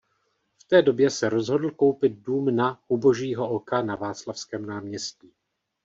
V té době se rozhodl koupit dům na "U Božího oka" na Václavském náměstí.